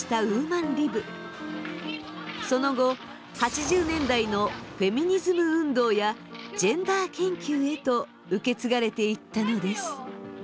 その後８０年代のフェミニズム運動やジェンダー研究へと受け継がれていったのです。